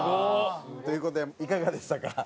という事でいかがでしたか？